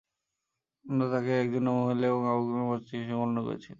অন্যরা তাকে একজন নম্র মহিলা এবং আবেগপ্রবণ প্রচারক হিসাবেও বর্ণনা করেছিল।